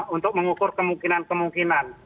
untuk mengukur kemungkinan kemungkinan